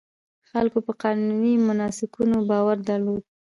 خلکو په قانوني مناسکونو باور درلود.